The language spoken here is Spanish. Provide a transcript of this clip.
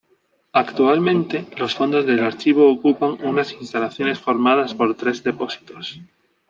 Actualmente los fondos del archivo ocupan unas instalaciones formadas por tres depósitos.